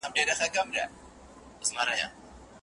موږ به خپل دردونه چیري چاته ژاړو